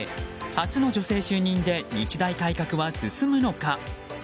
初の女性就任で日大改革は進むのか？